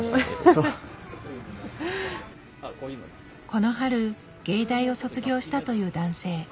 この春芸大を卒業したという男性。